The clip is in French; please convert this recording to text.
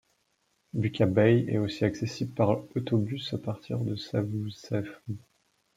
Buca Bay est aussi accessible par autobus à partir de Savusavu.